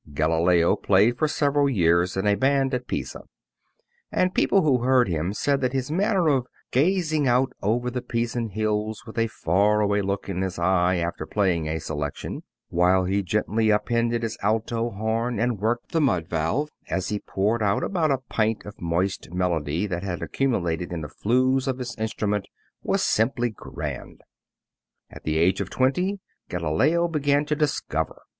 Galileo played for several years in a band at Pisa, and people who heard him said that his manner of gazing out over the Pisan hills with a far away look in his eye after playing a selection, while he gently up ended his alto horn and worked the mud valve as he poured out about a pint of moist melody that had accumulated in the flues of the instrument, was simply grand. At the age of twenty Galileo began to discover.